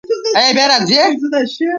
ایا بیا راځئ؟